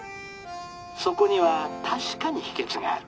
そこには確かに秘けつがある。